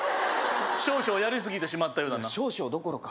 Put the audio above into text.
少々やりすぎてしまったようだな少々どころか